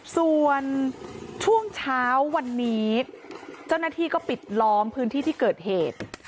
ส่วนช่วงเช้าวันนี้เจ้าหน้าที่ก็ปิดล้อมพื้นที่ที่เกิดเหตุ